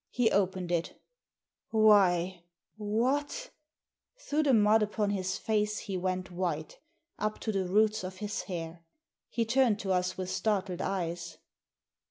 He opened it " Why ! what !" Through the mud upon his face he went white, up to the roots of his hair. He turned to us with startled eyes.